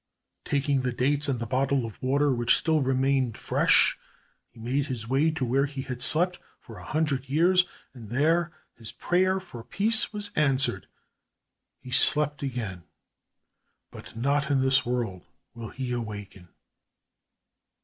Taking the dates and the bottle of water which still remained fresh, he made his way to where he had slept for a hundred years, and there his prayer for peace was answered. He slept again, but not in this world will he awaken.